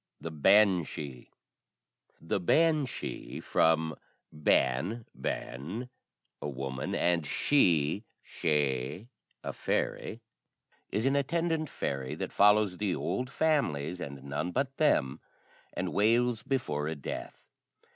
THE BANSHEE. [The banshee (from ban [bean], a woman, and shee [sidhe], a fairy) is an attendant fairy that follows the old families, and none but them, and wails before a death.